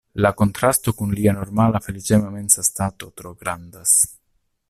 La kontrasto kun lia normala feliĉema mensa stato tro grandas.